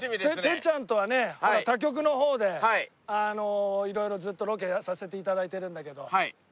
てっちゃんとはね他局の方で色々ずっとロケさせて頂いてるんだけど。